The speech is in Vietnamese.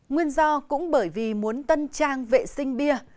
nguyên do cũng bởi vì muốn tân trang vệ sinh bia